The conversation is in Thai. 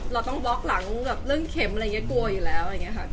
เราต้องรึมเข็มข้องวางอยู่แล้ว